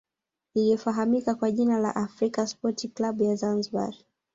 iliyofahamika kwa jina la african sport club ya zanzibar